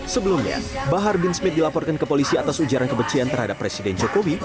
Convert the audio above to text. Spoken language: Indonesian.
sebelumnya bahar bin smith dilaporkan ke polisi atas ujaran kebencian terhadap presiden jokowi